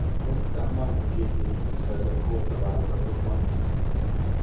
Ezután majdnem két évig nem szerzett gólt a válogatottban.